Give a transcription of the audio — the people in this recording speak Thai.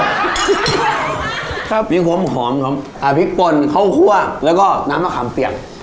ครับมีความหอมของอ่าพริกป่นข้าวคั่วแล้วก็น้ำมะขามเปียก